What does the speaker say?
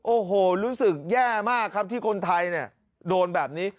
โอ้โหรู้สึกแย่มากครับที่คนไทยเนี่ยโดนแบบนี้